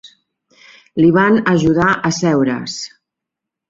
Li van ajudar a seure"s.